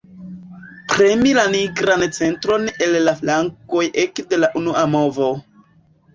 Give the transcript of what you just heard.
Premi la nigran centron el la flankoj ekde la unua movo.